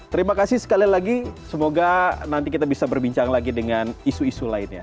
terima kasih sekali lagi semoga nanti kita bisa berbincang lagi dengan isu isu lainnya